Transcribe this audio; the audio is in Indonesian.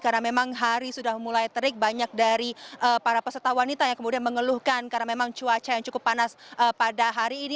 karena memang hari sudah mulai terik banyak dari para peserta wanita yang kemudian mengeluhkan karena memang cuaca yang cukup panas pada hari ini